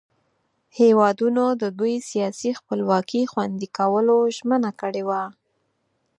هیوادونو د دوئ سیاسي خپلواکي خوندي کولو ژمنه وکړه.